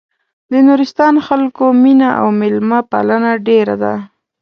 د نورستان خلکو مينه او مېلمه پالنه ډېره ده.